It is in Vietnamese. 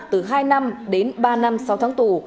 từ hai năm đến ba năm sau tháng tù